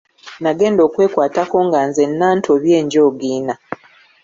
Nagenda okwekwatako nga nzenna ntobye njoogiina!